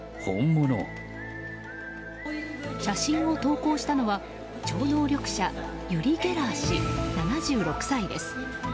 写真を投稿したのは超能力者ユリ・ゲラー氏、７６歳です。